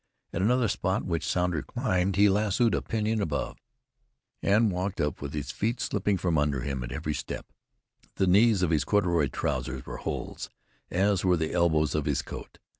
At another spot, which Sounder climbed, he lassoed a pinyon above, and walked up with his feet slipping from under him at every step. The knees of his corduroy trousers were holes, as were the elbows of his coat.